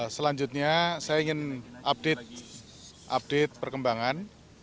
selanjutnya saya ingin update update perkembangan